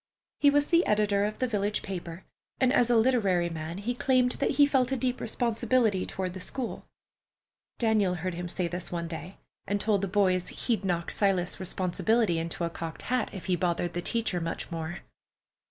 He was the editor of the village paper, and as a literary man he claimed that he felt a deep responsibility toward the school. Daniel heard him say this one day, and told the boys he'd knock Silas's responsibility into a cocked hat if he bothered the teacher much more.